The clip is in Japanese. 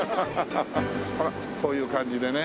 ほらこういう感じでね。